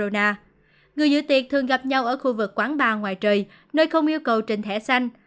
người giữ tiệc thường gặp nhau ở khu vực quán bar ngoài trời nơi không yêu cầu trình thẻ xanh